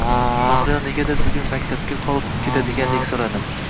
Mahliyo negadir bugun maktabda qolib ketadigandek so`radi